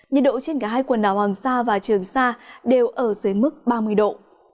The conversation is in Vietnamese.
nhiệt độ trên cả hai quần đảo hoàng sa và trường sa đều ở dưới mức ba mươi độ